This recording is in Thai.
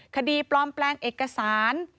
คดีปลอมแปลงเอกสาร